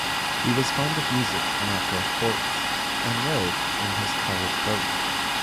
He was fond of music and outdoor sports, and rowed in his college boat.